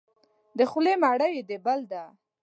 د خولې مړی یې د بل دی.